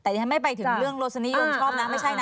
แต่ดิฉันไม่ไปถึงเรื่องรสนิยมชอบนะไม่ใช่นะ